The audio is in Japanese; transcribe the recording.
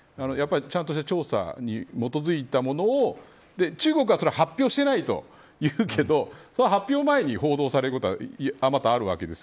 ちゃんとした調査に基づいたものを中国はそれは発表しないというけど発表前に報道されることはあまたあるわけです。